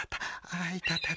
あ痛たた。